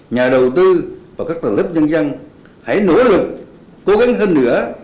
nhà đầu tư và các tầng lớp nhân dân hãy nỗ lực cố gắng hơn nữa